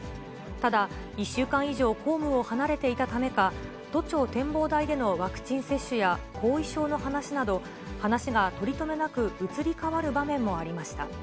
ただ、１週間以上公務を離れていたためか、都庁展望台でのワクチン接種や、後遺症の話など、話が取り留めなく移り変わる場面もありました。